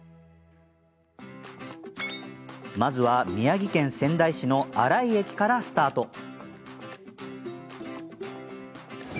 まずは宮城県仙台市の荒井駅からスタート。